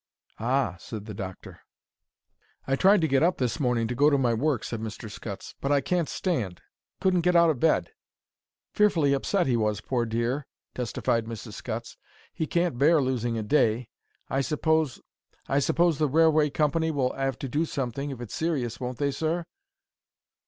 "Ah!" said the doctor. "I tried to get up this morning to go to my work," said Mr. Scutts, "but I can't stand! couldn't get out of bed." "Fearfully upset, he was, pore dear," testified Mrs. Scutts. "He can't bear losing a day. I s'pose—I s'pose the railway company will 'ave to do something if it's serious, won't they, sir?"